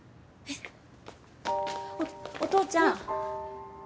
お父ちゃん。